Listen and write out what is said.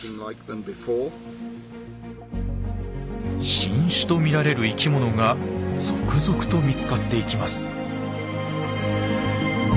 新種とみられる生き物が続々と見つかっていきます。